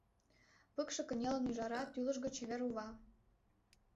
Пыкше кынелын ӱжара, тӱлыжгӧ, чевер-ува.